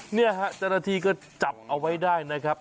เนี่ยฮะแต่ละทีก็จับเอาไว้ได้นะครับ